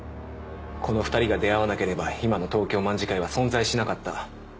この２人が出会わなければ今の東京卍會は存在しなかった。